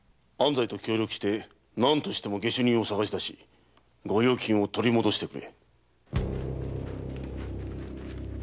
西と協力して何としても下手人を捜しだし御用金を取り戻してくれ。